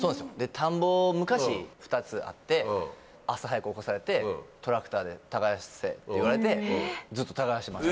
田んぼ昔２つあって朝早く起こされて「トラクターで耕せ」って言われてずっと耕してました。